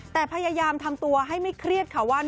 แต่พยายามทำตัวให้ไม่เครียดค่ะว่า